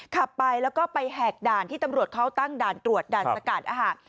ขับไปแล้วก็ไปแหกด่านที่ตำรวจเขาตั้งด่านตรวจด่านสกัดอาหาร